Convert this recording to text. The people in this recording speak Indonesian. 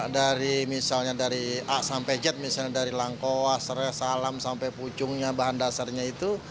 dari misalnya dari a sampai z misalnya dari langkau asra salam sampai pucungnya bahan dasarnya itu